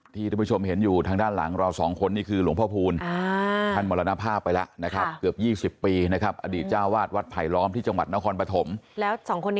ที่ท่านผู้ชมเห็นอยู่ทางด้านหลังเรา๒คนนี่คือ